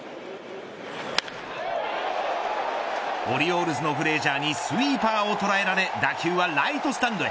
オリオールズのフレージャーにスイーパーを捉えられ打球はライトスタンドへ。